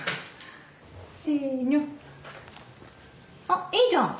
あっいいじゃん！